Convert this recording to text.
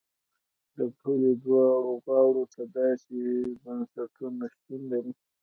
د پولې دواړو غاړو ته داسې بنسټونه شتون لري.